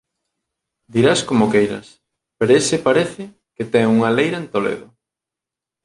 Dirás como queiras pero ese parece que ten unha leira en Toledo!